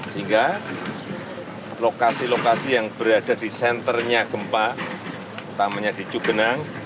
sehingga lokasi lokasi yang berada di senternya gempa utamanya di cugenang